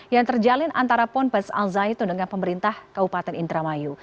yang terjalin antara ponpes al zaitun dengan pemerintah kabupaten indramayu